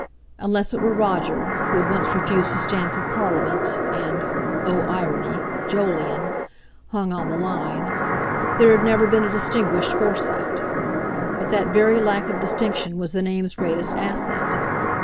Unless it were Roger, who had once refused to stand for Parliament, and—oh, irony!—Jolyon, hung on the line, there had never been a distinguished Forsyte. But that very lack of distinction was the name's greatest asset.